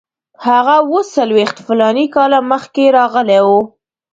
هغه اوه څلوېښت فلاني کاله مخکې راغلی وو.